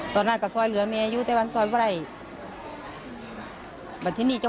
ตลอดเกราะสอยเหลือมีรีวิทยุไทยว่านสอยไวอ่ะ